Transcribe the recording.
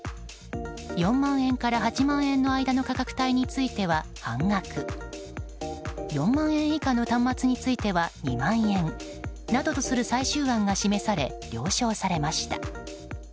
４万円から８万円の間の価格帯については半額４万円以下の端末については２万円などとする最終案が示され了承されました。